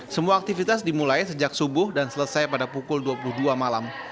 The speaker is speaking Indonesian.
semua aktivitas dimulai sejak subuh dan selesai pada pukul dua puluh dua malam